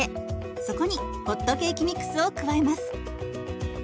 そこにホットケーキミックスを加えます。